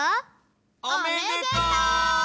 おめでとう！